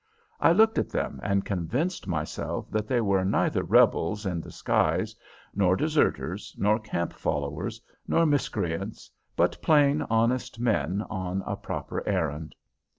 I looked at them and convinced myself that they were neither Rebels in disguise, nor deserters, nor camp followers, nor miscreants, but plain, honest men on a proper errand.